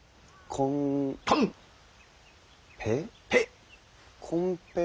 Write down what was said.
コンペイ。